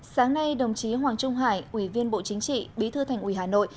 sáng nay đồng chí hoàng trung hải ủy viên bộ chính trị bí thư thành ủy hà nội